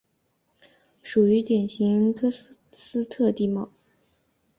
属于典型喀斯特地貌。